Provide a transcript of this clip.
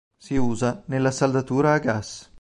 Si usa nella saldatura a gas.